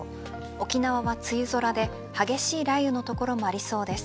沖縄は梅雨空で激しい雷雨の所もありそうです。